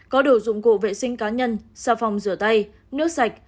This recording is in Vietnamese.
có đủ dụng cụ vệ sinh cá nhân xà phòng rửa tay nước sạch